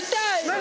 何？